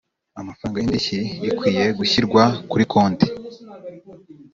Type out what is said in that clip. Amafaranga y,indishyi ikwiye gushyirwa kurikonte.